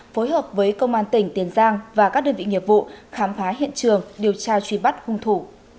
phối hợp với công an tỉnh tiền giang và các đơn vị nghiệp vụ khám phá hiện trường điều tra truy bắt hung thủ